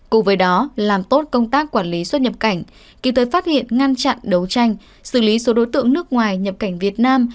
cùng với đó làm tốt công tác quản lý xuất nhập cảnh kịp thời phát hiện ngăn chặn đấu tranh xử lý số đối tượng nước ngoài nhập cảnh việt nam